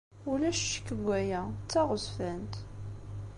Ulac ccekk deg waya. D taɣezfant.